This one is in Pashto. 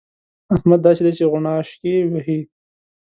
احمد داسې دی چې غوڼاشکې وهي.